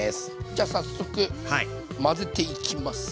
じゃあ早速混ぜていきます。